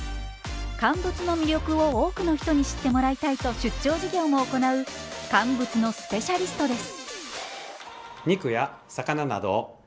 乾物の魅力を多くの人に知ってもらいたいと出張授業も行う乾物のスペシャリストです。